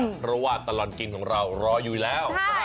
เพราะว่าตลอดกินของเรารออยู่แล้ว